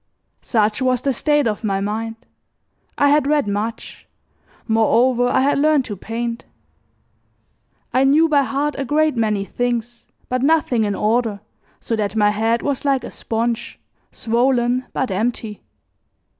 Such was the state of my mind; I had read much; moreover I had learned to paint. I knew by heart a great many things, but nothing in order, so that my head was like a sponge, swollen but empty.